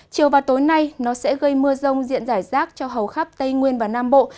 chiều và tối nay nó sẽ gây mưa rông diện giải rác cho hầu khắp tây nguyên và nam bộ